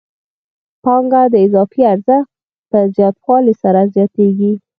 پانګه د اضافي ارزښت په زیاتوالي سره زیاتېږي